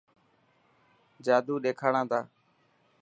جادو ڏيکاڻا تنا.